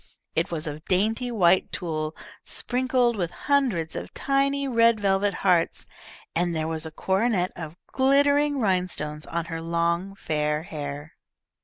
It was of dainty white tulle, sprinkled with hundreds of tiny red velvet hearts, and there was a coronet of glittering rhinestones on her long fair hair.